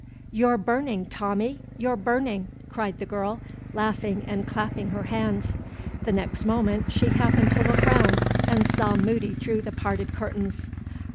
"You're burning, Tommie, you're burning!" cried the girl, laughing and clapping her hands. The next moment she happened to look round and saw Moody through the parted curtains.